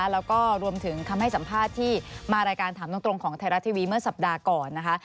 แล้วก็รวมถึงคำให้สัมภาษณ์ที่มารายการถามตรงของไทยรัฐทีวีเมื่อสัปดาห์ก่อนนะคะ